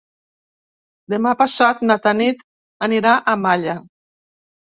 Demà passat na Tanit anirà a Malla.